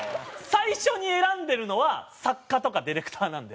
最初に選んでるのは作家とかディレクターなんで。